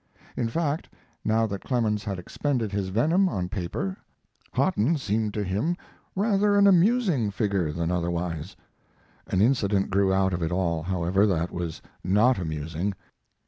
In fact, now that Clemens had expended his venom, on paper, Hotten seemed to him rather an amusing figure than otherwise. An incident grew out of it all, however, that was not amusing.